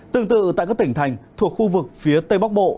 tương tự tại các tỉnh thành thuộc khu vực phía tây bắc bộ